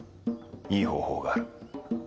いい方法がある。